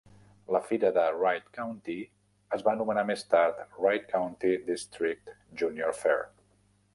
La fira de Wright County es va anomenar més tard Wright County District Junior Fair.